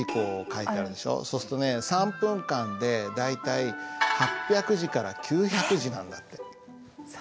そうするとね３分間で大体８００字から９００字なんだって。